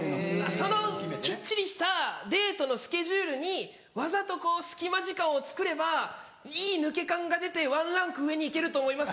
そのきっちりしたデートのスケジュールにわざと隙間時間をつくればいい抜け感が出てワンランク上に行けると思います。